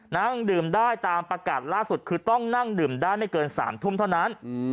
นั่งดื่มได้ตามประกาศล่าสุดคือต้องนั่งดื่มได้ไม่เกิน๓ทุ่มเท่านั้น